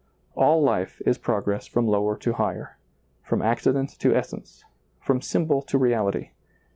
All life is progress from lower to higher, from accident to essence, from symbol to reality.